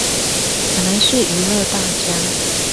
可能是娛樂大家